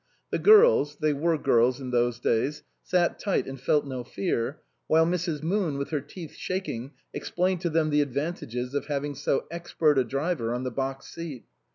The girls (they were girls in those days) sat tight and felt no fear, while Mrs. Moon, with her teeth shaking, explained to them the advantages of having so expert a driver on the box seat.